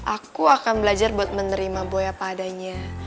aku akan belajar buat menerima buaya apa adanya